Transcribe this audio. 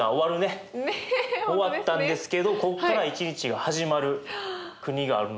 終わったんですけどここから一日が始まる国があるので。